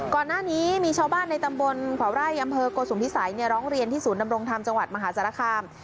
ก่อนหน้านี้มีชาวบ้านในตำบลขวาวไร่อำเภอโกสุมพิสัยร้องเรียนที่ศูนย์ดำรงธรรมจังหวัดมหาสารคาม